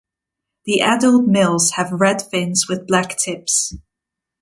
The adult males have red fins with black tips.